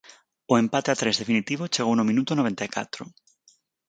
O empate a tres definitivo chegou no minuto noventa e catro.